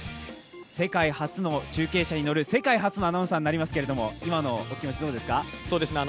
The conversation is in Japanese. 世界初の中継車に乗る世界初のアナウンサーになりますけど、今のお気持ちどうですか？